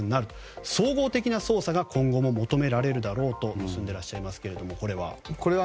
総合的な捜査が今後も求められるだろうと結んでいらっしゃいますがこれは？